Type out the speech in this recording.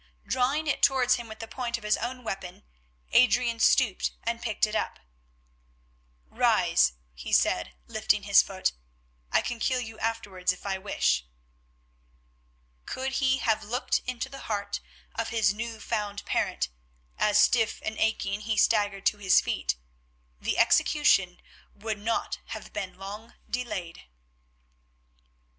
Drawing it towards him with the point of his own weapon, Adrian stooped and picked it up. "Rise," he said, lifting his foot, "I can kill you afterwards if I wish." Could he have looked into the heart of his new found parent as stiff and aching he staggered to his feet, the execution would not have been long delayed.